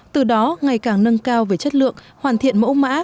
từ đó ngày càng nâng cao về chất lượng hoàn thiện mẫu mã